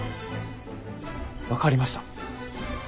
分かりました。